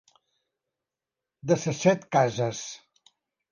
De ses set cases.